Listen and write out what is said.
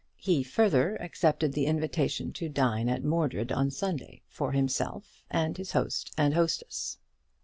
He further accepted the invitation to dine at Mordred on Sunday, for himself and his host and hostess.